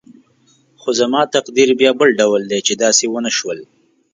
خو زما تقدیر بیا بل ډول دی چې داسې ونه شول.